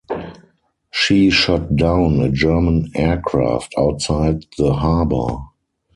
She shot down a German aircraft outside the harbour.